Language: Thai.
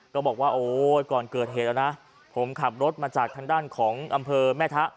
ก็บอกว่าโอ้ยก่อนเกิดเหตุแล้วนะผมขับรถมาจากทางด้านของอำเภอแม่ทะ